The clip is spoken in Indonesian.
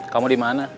kamu di mana